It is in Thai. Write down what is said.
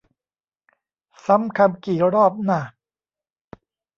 ซ้ำคำกี่รอบน่ะ